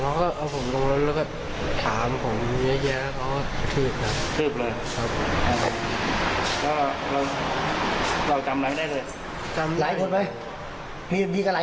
นั่นสรบเลยอ่ะพอ๔๕คนครับพอเขาทำหลายเสร็จเขาก็ไหวผมออกไปกลับบ้าน